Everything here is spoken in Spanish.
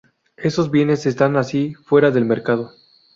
Esos bienes están así fuera del mercado.